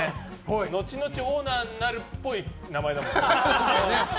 後々オーナーになるっぽい名前だもんね。